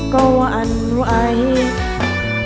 ก็ว่าอันไหว